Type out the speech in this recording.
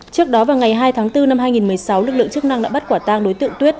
trước đó vào ngày hai tháng bốn năm hai nghìn một mươi sáu lực lượng chức năng đã bắt quả tang đối tượng tuyết